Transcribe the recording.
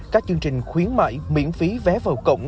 các chương trình khuyến mại miễn phí vé vào cổng